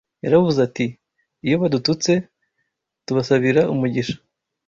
Yaravuze ati: “Iyo badututse, tubasabira umugisha